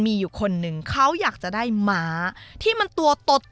มีสิทธิ์น่ะ